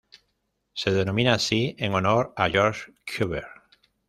Se denomina así en honor a Georges Cuvier.